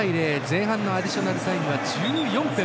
前半アディショナルタイム１４分。